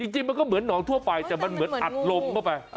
จริงมันก็เหมือนหนองทั่วไปแต่มันเหมือนอัดลมเข้าไป